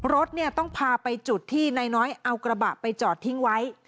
รถเนี่ยต้องพาไปจุดที่นายน้อยเอากระบะไปจอดทิ้งไว้